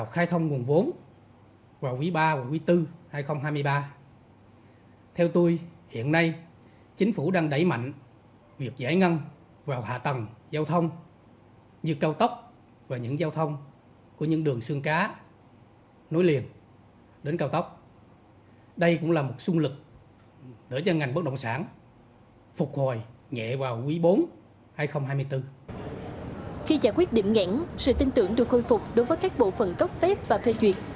khi giải quyết điểm ngãn sự tin tưởng được khôi phục đối với các bộ phần cốc phép và phê duyệt